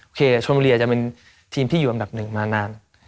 ชมบุรีจะเป็นทีมที่อยู่อันดับหนึ่งมานาน